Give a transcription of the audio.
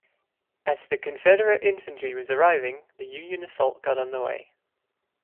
As the Confederate infantry was arriving, the Union assault got underway.